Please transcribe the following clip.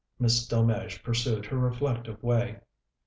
Miss Delmege pursued her reflective way.